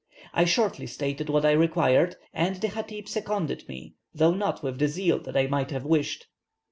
I shortly stated what I required, and the chatib seconded me, though not with the zeal that I might have wished.